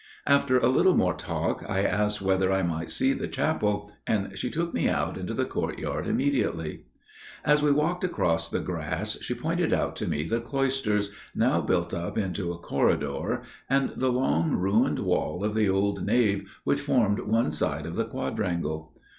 "After a little more talk I asked whether I might see the chapel, and she took me out into the courtyard immediately. "As we walked across the grass she pointed out to me the cloisters, now built up into a corridor, and the long ruined wall of the old nave which formed one side of the quadrangle.